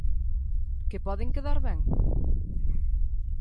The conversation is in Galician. Que poden quedar ben?